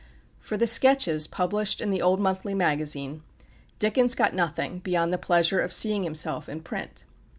For the "Sketches" published in The Old Monthly Magazine, Dickens got nothing, beyond the pleasure of seeing himself in print.